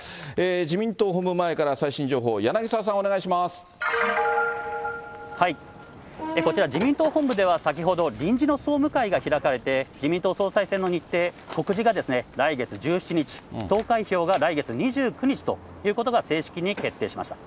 自民党本部前から最新情報、こちら、自民党本部では先ほど、臨時の総務会が開かれて、自民党総裁選の日程、告示が来月１７日、投開票が来月２９日ということが、正式に決定しました。